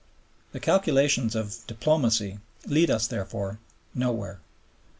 The calculations of "diplomacy" lead us, therefore, nowhere.